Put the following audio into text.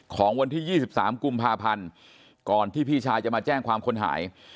ของวันที่๒๓กุมภาพันธ์ก่อนที่พี่ชายจะมาแจ้งความคนหาย